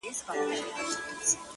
خاموسي تر ټولو درنه پاتې وي,